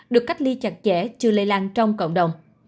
được cách ly chặt chẽ chưa lây lan trong cộng đồng